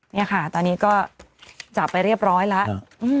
นี่ค่ะตอนนี้ก็จับไปเรียบร้อยแล้ว